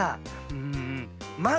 うん。